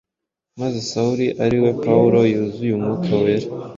Maze Sawuli, ari we Pawulo, yuzuye Umwuka Wera,